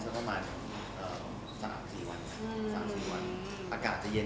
ประมาณสามสี่วันสามสี่วันอากาศจะเย็น